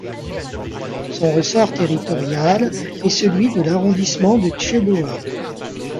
Son ressort territorial est celui de l'arrondissement de Tcheboa.